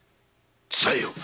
伝えよう。